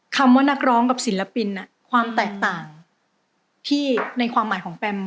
คำว่านักร้องกับศิลปินความแตกต่างที่ในความหมายของแปม